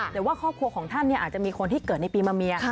หรือว่าครอบครัวของท่านอาจจะมีคนที่เกิดในปีมะเมีย